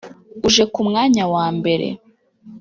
uje ku mwanya wa mbere